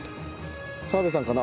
澤部さんかな？